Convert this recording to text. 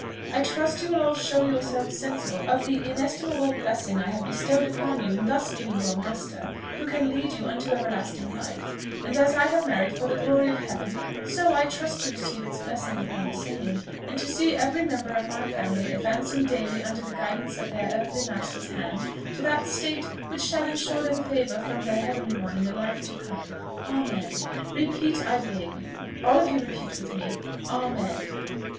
I trust you will all show yourselves sensible of the inestimable blessing I have bestowed upon you in thus giving you a master who can lead you unto everlasting life; and as I have married for the glory of Heaven, so I trust to receive its blessing upon the same, and to see every member of my family advancing daily under the guidance of their earthly master's hand to that state which shall ensure them favour from their heavenly one in the life to come. Amen! Repeat, I beg you all of you repeat with me Amen!"